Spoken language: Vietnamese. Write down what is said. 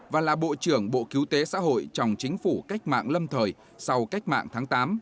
và là bộ trưởng bộ cứu tế xã hội trong chính phủ cách mạng lâm thời sau cách mạng tháng tám